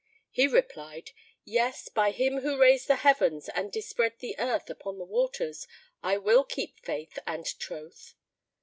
He replied, "Yes, by Him who raised the heavens and dispread the earth upon the waters, I will indeed keep faith and troth!"